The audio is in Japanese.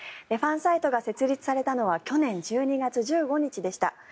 ファンサイトが設立されたのは去年１２月１５日でした。